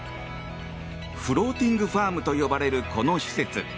フローティングファームと呼ばれるこの施設。